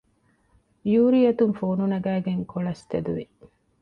ޔޫރީ އަތުން ފޯނު ނަގައިގެން ކޮޅަސް ތެދުވި